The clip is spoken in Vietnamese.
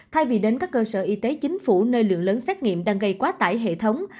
thay vì đến các cơ sở y tế chính phủ nơi lượng lớn xét nghiệm đang gây quá tải hệ thống